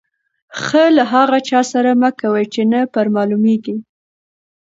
ښه له هغه چا سره مه کوئ، چي نه پر معلومېږي.